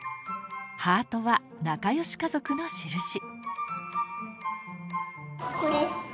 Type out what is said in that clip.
ハートは仲良し家族のしるし。